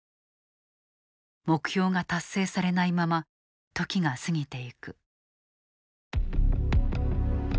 目標が達成されないまま時が過ぎていく。